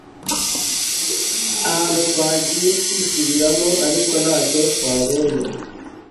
ahantu twagiye twisubiramo ariko ntacyo twabonye